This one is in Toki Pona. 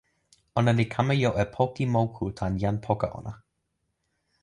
ona li kama jo e poki moku tan jan poka ona.